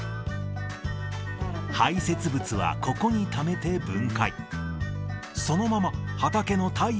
排せつ物はここにためて分解。